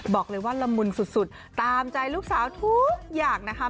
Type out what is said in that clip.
ละมุนสุดตามใจลูกสาวทุกอย่างนะคะ